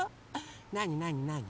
なになになに？